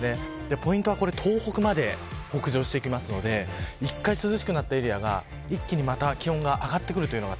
ポイントは東北まで北上していくので一回、涼しくなったエリアが一気にまた気温が上がってきます。